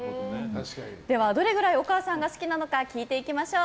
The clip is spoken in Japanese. では、どれくらいお母さんが好きなのか聞いていきましょう。